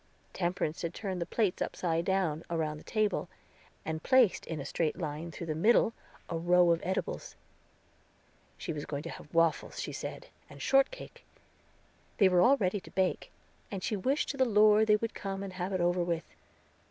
Temperance had turned the plates upside down around the table, and placed in a straight line through the middle a row of edibles. She was going to have waffles, she said, and shortcake; they were all ready to bake, and she wished to the Lord they would come and have it over with.